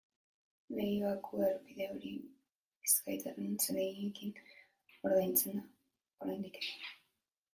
Leioako errepide hori bizkaitarren zergekin ordaintzen da, oraindik ere.